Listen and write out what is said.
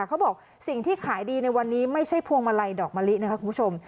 เขาบอกสิ่งที่ขายดีในวันนี้ไม่ใช่พวงมาลัยดอกมะลินะคะคุณผู้ชม